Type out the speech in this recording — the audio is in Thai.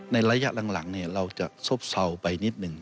ในระยะหลังเราจะซบเศร้าไปนิดหนึ่ง